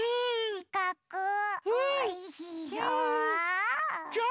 しかくおいしそう！